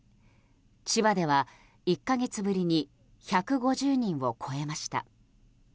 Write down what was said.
千葉では、１か月ぶりに１５０人を超えました。